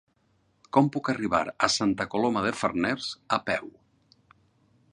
Com puc arribar a Santa Coloma de Farners a peu?